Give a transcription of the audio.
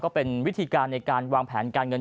เป็นวิธีการในการวางแผนการเงิน